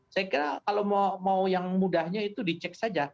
saya kira kalau mau yang mudahnya itu dicek saja